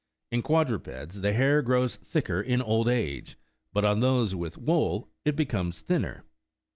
In quadrupeds, the hair grows thicker in old age ; but on those with wool, it becomes thinner.